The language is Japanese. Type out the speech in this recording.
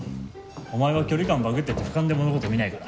お前は距離感バグってて俯瞰で物事見ないから。